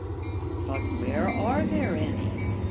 " But where are there any ?